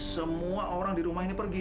semua orang di rumah ini pergi